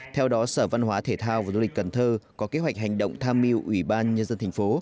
theo đó sở văn hóa thể thao và du lịch cần thơ có kế hoạch hành động tham mưu ủy ban nhân dân thành phố